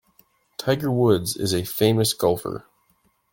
Tiger Woods is a famous golfer.